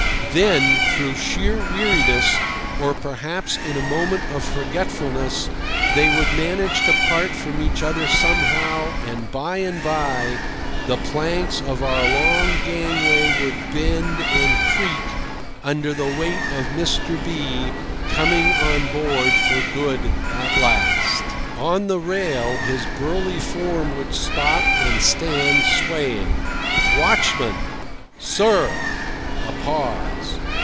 Then, through sheer weariness, or perhaps in a moment of forgetfulness, they would manage to part from each other somehow, and by and by the planks of our long gangway would bend and creak under the weight of Mr. B— coming on board for good at last. On the rail his burly form would stop and stand swaying. "Watchman!" "Sir." A pause.